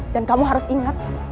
dan kamu harus ingat